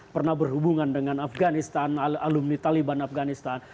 pernah berhubungan dengan afganistan alumni taliban afganistan